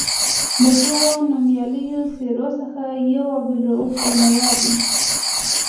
له دغو نومیالیو څېرو څخه یو عبدالرؤف بېنوا دی.